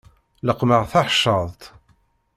Leqqmeɣ taḥeccaḍt.